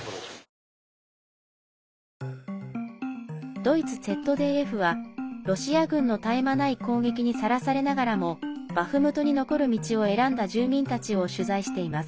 ドイツＺＤＦは、ロシア軍の絶え間ない攻撃にさらされながらもバフムトに残る道を選んだ住民たちを取材しています。